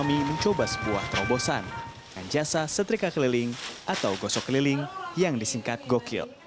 kami mencoba sebuah terobosan dengan jasa setrika keliling atau gosok keliling yang disingkat gokil